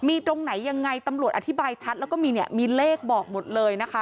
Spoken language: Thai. มีตรงไหนยังไงตำรวจอธิบายชัดแล้วก็มีเนี่ยมีเลขบอกหมดเลยนะคะ